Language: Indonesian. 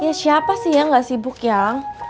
ya siapa sih yang gak sibuk ya